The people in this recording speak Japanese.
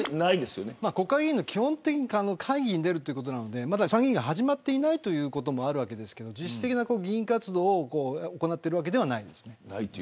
国会議員は基本的に会議に出るということですからまだ参議院が始まっていないというのもありますが実質的な議員活動を行っているわけではありません。